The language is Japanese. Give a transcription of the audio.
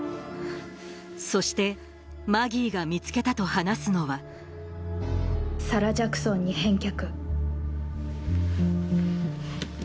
そしてマギーが見つけたと話すのは「サラ・ジャクソンに返却」。